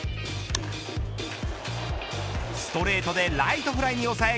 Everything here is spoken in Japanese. ストレートでライトフライに抑え